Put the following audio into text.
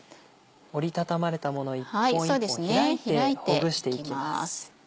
折り畳まれたもの一本一本開いてほぐしていきます。